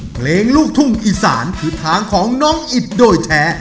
เพลงลูกทุ่งอีสานคือทางของน้องอิดโดยแท้